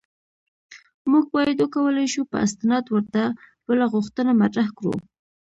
موږ باید وکولای شو په استناد ورته بله غوښتنه مطرح کړو.